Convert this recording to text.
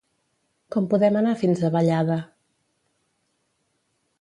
Com podem anar fins a Vallada?